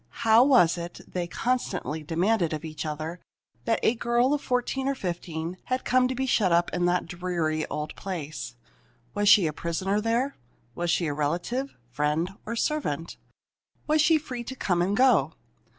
How was it, they constantly demanded of each other, that a girl of fourteen or fifteen had come to be shut up in the dreary old place? Was she a prisoner there? Was she a relative, friend, or servant? Was she free to come and go?